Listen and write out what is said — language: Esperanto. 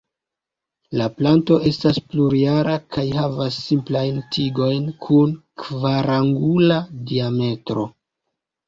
La planto estas plurjara kaj havas simplajn tigojn kun kvarangula diametro.